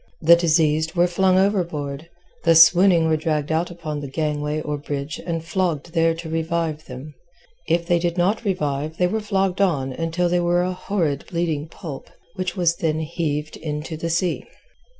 The diseased were flung overboard; the swooning were dragged out upon the gangway or bridge and flogged there to revive them; if they did not revive they were flogged on until they were a horrid bleeding pulp, which was then heaved into the sea.